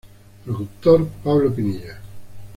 Productor: Pablo Pinilla.